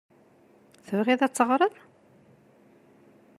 Tebɣiḍ ad d-teɣreḍ?